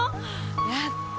やった！